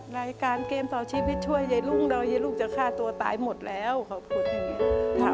รายการเกมต่อชีพให้ช่วยเย้ลุงเย้ลุงจะฆ่าตัวตายหมดแล้วขอบคุณ